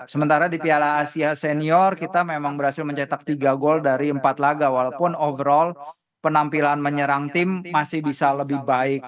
sementara di piala asia senior kita memang berhasil mencetak tiga gol dari empat laga walaupun overall penampilan menyerang tim masih bisa lebih baik